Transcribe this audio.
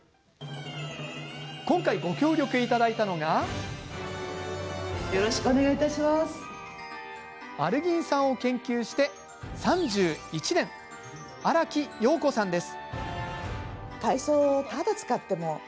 今回ご協力いただいたのがアルギン酸を研究して３１年荒木葉子さんです。